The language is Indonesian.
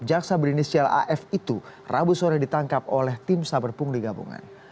jaksa berinisial af itu rabu sore ditangkap oleh tim saber pungli gabungan